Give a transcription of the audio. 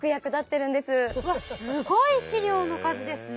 うわすごい資料の数ですね。